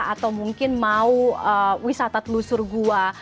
atau mungkin mau wisata telusur gua